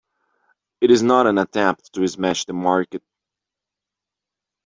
It is not an attempt to smash the market.